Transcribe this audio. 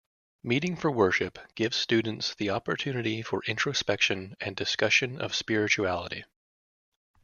Meeting for Worship gives students the opportunity for introspection and discussion of spirituality.